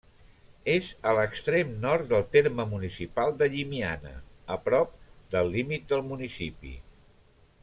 És a l'extrem nord del terme municipal de Llimiana, a prop del límit del municipi.